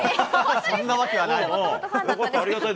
そんなわけがない。